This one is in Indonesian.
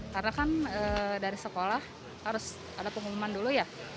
karena kan dari sekolah harus ada pengumuman dulu ya